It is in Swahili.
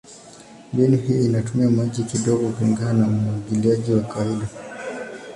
Mbinu hii inatumia maji kidogo kulingana na umwagiliaji wa kawaida.